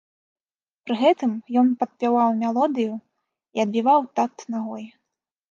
Пры гэтым ён падпяваў мелодыю і адбіваў такт нагою.